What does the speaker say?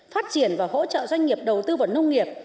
phát triển và hỗ trợ doanh nghiệp đầu tư vào nông nghiệp